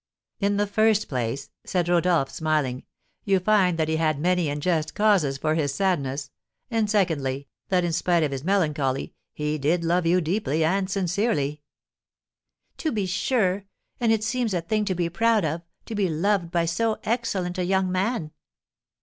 "In the first place," said Rodolph, smiling, "you find that he had many and just causes for his sadness; and secondly, that, spite of his melancholy, he did love you deeply and sincerely." "To be sure; and it seems a thing to be proud of, to be loved by so excellent a young man!"